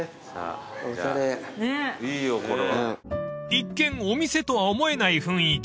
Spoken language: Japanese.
［一見お店とは思えない雰囲気］